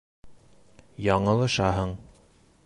Яңылышаһың.